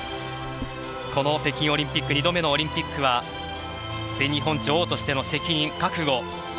この北京オリンピック２度目のオリンピックは全日本女王としての責任、覚悟。